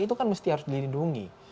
itu kan mesti harus dilindungi